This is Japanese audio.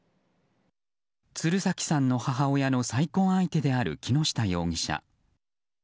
鶴崎さんの母親の再婚相手である木下容疑者。